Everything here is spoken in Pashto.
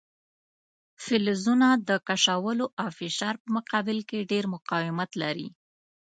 فلزونه د کشولو او فشار په مقابل کې ډیر مقاومت لري.